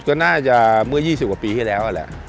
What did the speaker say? ก็น่าจะเมื่อ๒๐กว่าปีที่แล้วแหละ